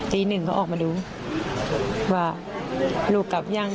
ตีหนึ่งเขาออกมาดูว่าลูกกลับยัง